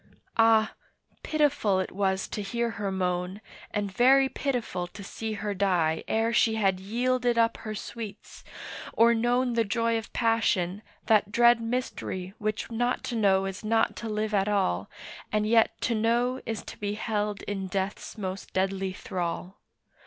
Ah! pitiful it was to hear her moan, And very pitiful to see her die Ere she had yielded up her sweets, or known The joy of passion, that dread mystery Which not to know is not to live at all, And yet to know is to be held in death's most deadly thrall.